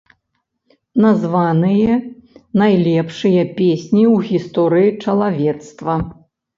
Названыя найлепшыя песні ў гісторыі чалавецтва.